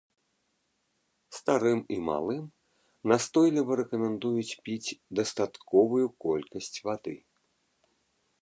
Старым і малым настойліва рэкамендуюць піць дастатковую колькасць вады.